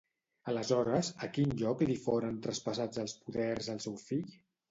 Aleshores, a quin lloc li foren traspassats els poders al seu fill?